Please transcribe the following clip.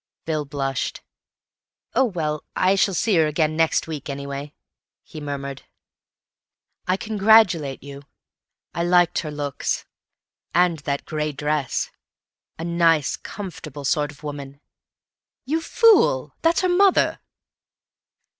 Bill blushed. "Oh, well, I shall see her again next week, anyway," he murmured. "I congratulate you. I liked her looks. And that grey dress. A nice comfortable sort of woman——" "You fool, that's her mother."